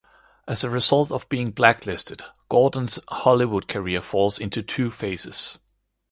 As a result of being blacklisted, Gordon's Hollywood career falls into two phases.